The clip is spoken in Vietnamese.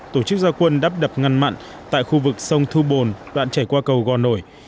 tổ chức gia quân đắp đập ngăn mặn tại khu vực sông thu bồn đoạn chảy qua cầu gò nổi